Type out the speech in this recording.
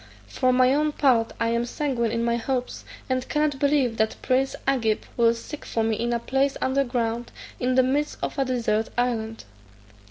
For my own part I am sanguine in my hopes, and cannot believe that prince Agib will seek for me in a place under ground, in the midst of a desert island."